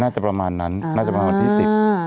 ประมาณนั้นน่าจะประมาณวันที่สิบ